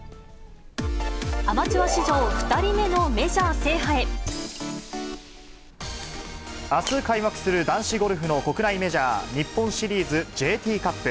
アマチュア史上２人目のメジあす開幕する男子ゴルフの国内メジャー、日本シリーズＪＴカップ。